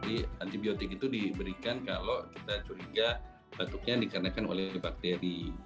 jadi antibiotik itu diberikan kalau kita curiga batuknya dikarenakan oleh bakteri